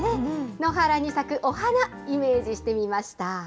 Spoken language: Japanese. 野原に咲くお花イメージしてみました。